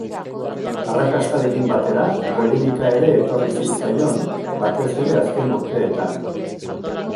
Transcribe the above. Arrakastarekin batera, polemika ere etorri zitzaion, batez ere azken urteetan.